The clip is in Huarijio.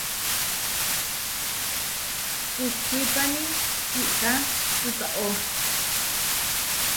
Kuhuípani íka tukaó.